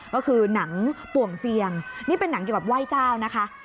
ก็คือหนังป่วงเซียงนี่เป็นหนังเกี่ยวกับไหว้เจ้านะคะ